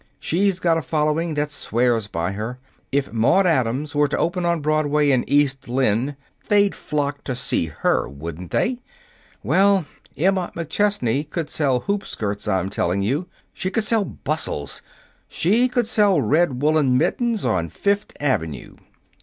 She's got a following that swears by her. If Maude Adams was to open on Broadway in 'East Lynne,' they'd flock to see her, wouldn't they? Well, Emma McChesney could sell hoop skirts, I'm telling you. She could sell bustles. She could sell red woolen mittens on Fifth Avenue!"